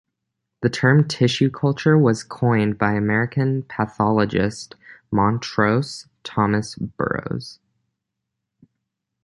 The term "tissue culture" was coined by American pathologist Montrose Thomas Burrows.